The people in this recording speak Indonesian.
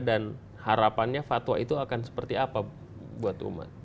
dan harapannya fatwa itu akan seperti apa buat umat